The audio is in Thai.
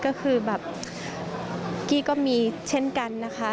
ก็คือแบบกี้ก็มีเช่นกันนะคะ